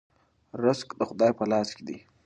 رزق د خدای په لاس کې دی.